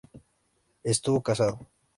Estuvo casado.